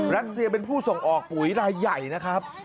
รัสเซียเป็นผู้ส่งออกปุ๋ยรายใหญ่นะครับ